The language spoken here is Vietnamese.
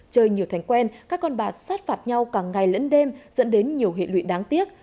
chơi nhiều thành quen các con bạc sát phạt nhau cả ngày lẫn đêm dẫn đến nhiều hệ lụy đáng tiếc